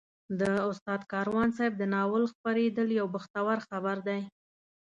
د استاد کاروان صاحب د ناول خپرېدل یو بختور خبر دی.